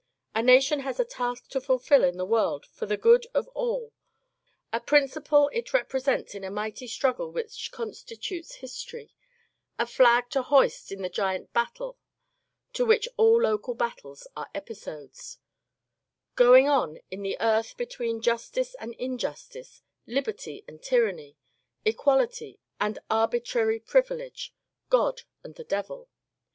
A nation has a task to fulfil in the world for the good of all, a principle it represents in a mighty struggle which constitutes history, a flag to hoist in the giant battle to which all local battles are episodes — going on in the earth between justice and injustice, liberty and tyranny, equality and arbitrary privUege, God and the devil.